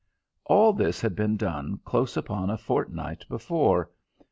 All this had been done close upon a fortnight before.